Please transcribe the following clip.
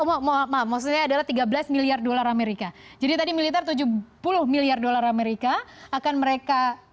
maksudnya adalah tiga belas miliar dolar amerika jadi tadi militer tujuh puluh miliar dolar amerika akan mereka